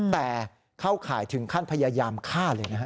แต่เข้าข่ายถึงขั้นพยายามฆ่าเลยนะฮะ